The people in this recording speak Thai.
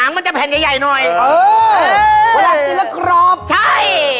เค้าเสียบหัน